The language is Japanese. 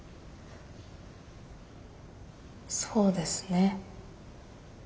そうですね。